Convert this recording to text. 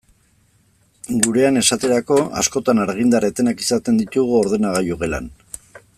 Gurean, esaterako, askotan argindar etenak izaten ditugu ordenagailu gelan.